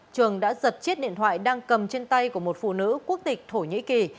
trường đã giật chiếc điện thoại đang cầm trên tay của một phụ nữ quốc tịch thổ nhĩ kỳ